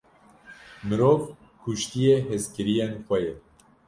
Mirov, kuştiye hezkiriyên xwe ye.